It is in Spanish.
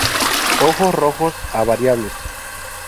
Ojos rojos a variables.